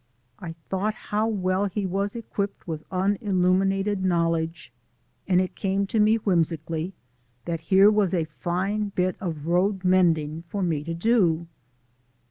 I thought how well he was equipped with unilluminated knowledge, and it came to me whimsically, that here was a fine bit of road mending for me to do.